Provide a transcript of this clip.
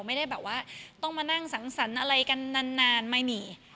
ไม่ได้แบบว่าต้องมานั่งสังสรรค์อะไรกันนานไม่มี